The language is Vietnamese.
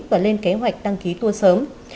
và lên kế hoạch tăng ký tour sớm